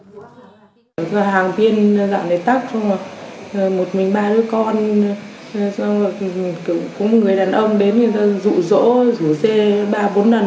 hàng tiên dạng này tắt một mình ba đứa con có một người đàn ông đến dụ dỗ dụ xe ba bốn lần